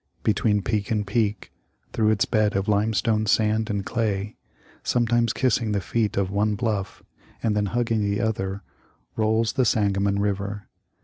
Between peak and peak, through its bed of limestone, sand, and clay, sometimes kissing the feet of one bluff and then 78 THE LIFE OF LINCOLN. hugging the other, rolls the Sangamon river.